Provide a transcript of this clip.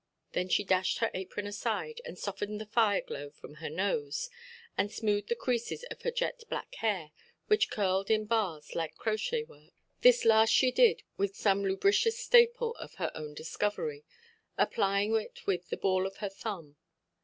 Then she dashed her apron aside, and softened the fire–glow from her nose, and smoothed the creases of her jet–black hair, which curled in bars like crochet–work. This last she did, with some lubricous staple of her own discovery, applying it with the ball of her thumb.